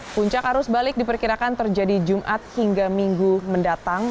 puncak arus balik diperkirakan terjadi jumat hingga minggu mendatang